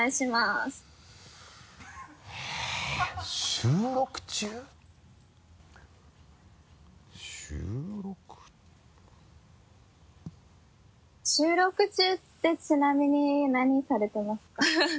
収録中ってちなみに何されてますか？